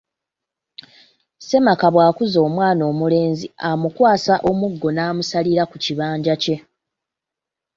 Ssemaka bw’akuza omwana omulenzi amukwasa omuggo n’amusalira ku kibanja kye.